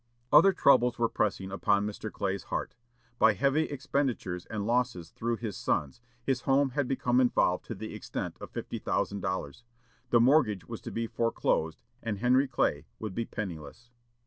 Other troubles were pressing upon Mr. Clay's heart. By heavy expenditures and losses through his sons, his home had become involved to the extent of fifty thousand dollars. The mortgage was to be foreclosed, and Henry Clay would be penniless.